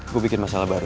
gue bikin masalah baru ya